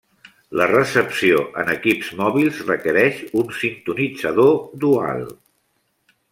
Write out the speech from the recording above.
La recepció en equips mòbils requereix un sintonitzador dual.